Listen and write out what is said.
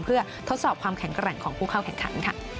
เพื่อทดสอบความแข็งแกร่งของผู้เข้าแข่งขันค่ะ